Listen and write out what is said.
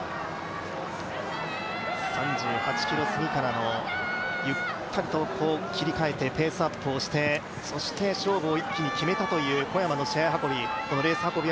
３８ｋｍ過ぎからのゆったりと切り替えてペースアップをしてそして勝負を一気に決めたという小山のレース運び